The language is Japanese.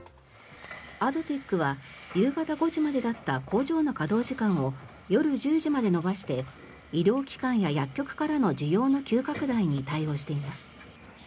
アドテックは夕方５時までだった工場の稼働時間を夜１０時まで延ばして医療機関や薬局からの需要の急拡大に対応しています。